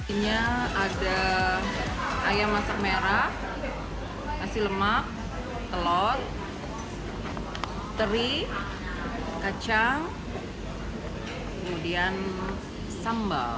ini ada ayam master merah nasi lemak telur teri kacang kemudian sambal